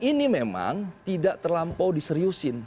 ini memang tidak terlampau diseriusin